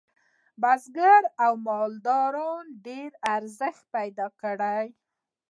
بزګرۍ او مالدارۍ ډیر ارزښت پیدا کړ.